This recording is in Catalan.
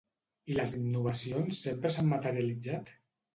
I les innovacions sempre s'han materialitzat?